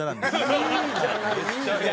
いいじゃない！